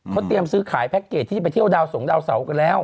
เขาเตรียมซื้อขายแพ็คเกจที่จะไปเที่ยวดาวสงดาวเสากันแล้ว